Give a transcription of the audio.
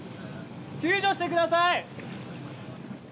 救助してください。